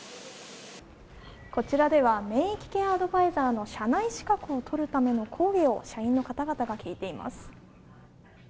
こちらでは免疫系ケアドバイザーの社内資格を取るための講義を社員の方々が聞いています。